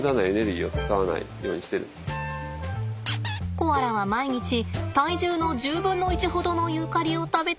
コアラは毎日体重の１０分の１ほどのユーカリを食べています。